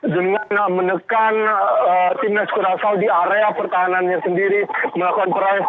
dengan menekan timnas kurasaw di area pertahanannya sendiri melakukan prolesing secara agresif